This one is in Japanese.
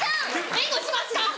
援護しますか？